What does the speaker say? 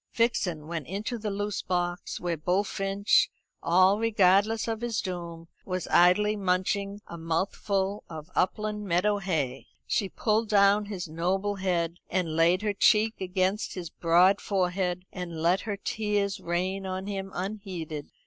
Vixen went into the loose box, where Bullfinch, all regardless of his doom, was idly munching a mouthful of upland meadow hay. She pulled down his noble head, and laid her cheek against his broad forehead, and let her tears rain on him unheeded.